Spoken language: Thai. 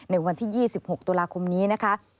ในวันที่๒๖ตุลาคมนี้นะคะ